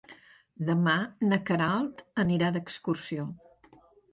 Demà na Queralt anirà d'excursió.